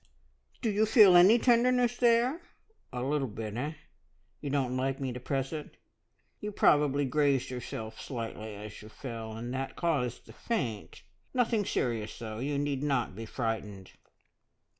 Do you feel any tenderness there? A little bit, eh? You don't like me to press it? You probably grazed yourself slightly as you fell, and that caused the `faint.' Nothing serious, though. You need not be frightened."